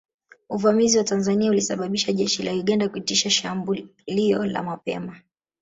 Uvamizi wa Tanzania ulisababisha jeshi la Uganda kuitisha shambulio la mapema